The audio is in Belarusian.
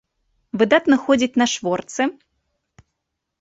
Выдатна ходзіць на шворцы.